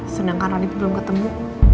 sedangkan raditya belum ketemu